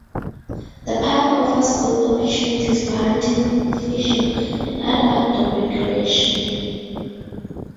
The park offers good opportunities for hunting, fishing, and other outdoor recreation.